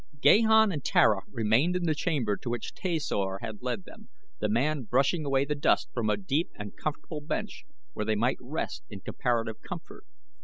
Gahan and Tara remained in the chamber to which Tasor had led them, the man brushing away the dust from a deep and comfortable bench where they might rest in comparative comfort.